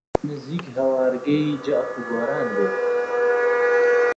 نزیک هەوارگەی جاف و گۆران بێ